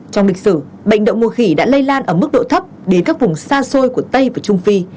trong lịch sử bệnh động mùa khỉ đã lây lan ở mức độ thấp đến các vùng xa xôi của tây và trung phi